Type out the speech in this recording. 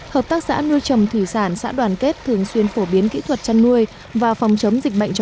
hợp tác xã nuôi trầm thủy sản xã đoàn kết thường xuyên phổ biến kỹ thuật trăn nuôi và phòng chấm dịch